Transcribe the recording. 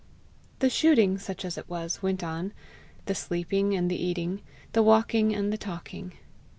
The shooting, such as it was, went on, the sleeping and the eating, the walking and the talking.